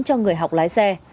cho người học lái xe